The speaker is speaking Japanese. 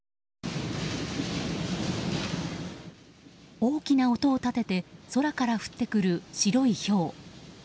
大きな音を立てて空から降ってくる白いひょう。